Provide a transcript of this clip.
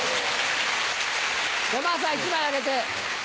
山田さん１枚あげて。